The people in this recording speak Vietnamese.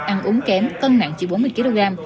ăn uống kém cân nặng chỉ bốn mươi kg